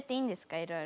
いろいろ。